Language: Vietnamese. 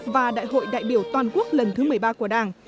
và đại hội đại biểu toàn quốc lần thứ một mươi ba của đảng